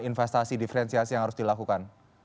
investasi diferensiasi yang harus dilakukan